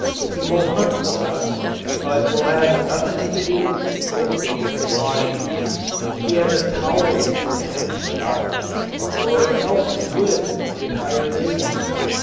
He will hunt for us, but will have nothing to do with gold digging and washing. He has a tolerable contempt for dollars, or else he would have demanded higher wages.